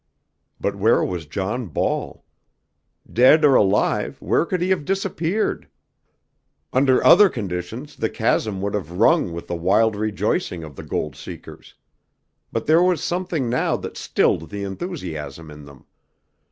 But where was John Ball? Dead or alive, where could he have disappeared? Under other conditions the chasm would have rung with the wild rejoicing of the gold seekers. But there was something now that stilled the enthusiasm in them.